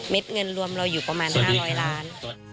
เงินรวมเราอยู่ประมาณ๕๐๐ล้าน